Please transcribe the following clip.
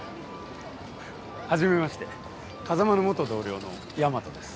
はじめまして風真の同僚の大和です。